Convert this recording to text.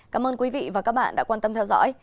cảm ơn quý vị và các bạn đã quan tâm theo dõi